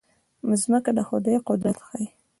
مځکه د خدای قدرت ښيي.